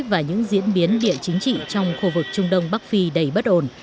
và những diễn biến địa chính trị trong khu vực trung đông bắc phi đầy bất ổn